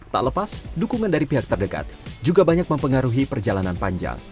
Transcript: tak lepas dukungan dari pihak terdekat juga banyak mempengaruhi perjalanan panjang